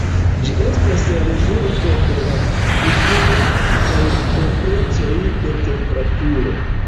Ĝi estas la rezulto de la difino kaj proprecoj de temperaturo.